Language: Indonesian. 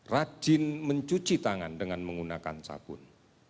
rajin mencuci tangan dengan menggunakan sabun